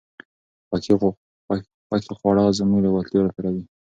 خوښې خواړه زموږ لېوالتیا راپاروي.